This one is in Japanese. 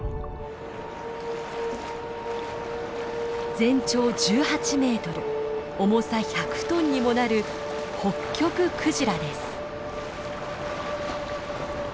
全長１８メートル重さ１００トンにもなるホッキョククジラです。